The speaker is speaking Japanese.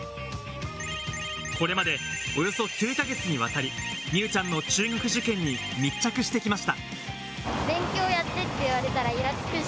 これまでおよそ９か月にわたり、美羽ちゃんの中学受験に密着してきました。